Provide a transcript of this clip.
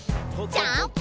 ジャンプ！